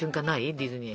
ディズニー。